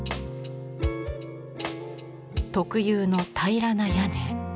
特有の平らな屋根。